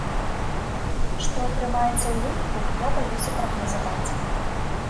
Што атрымаецца ў выніку, я баюся прагназаваць.